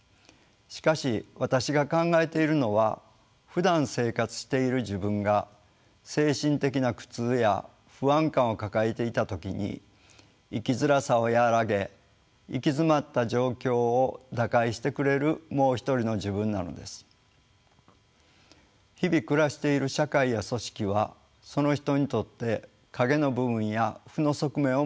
しかし私が考えているのはふだん生活している「自分」が精神的な苦痛や不安感を抱えていた時に生きづらさを和らげ行き詰まった状況を打開してくれる「もう一人の自分」なのです。日々暮らしている社会や組織はその人にとって影の部分や負の側面を持っています。